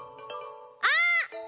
あっ！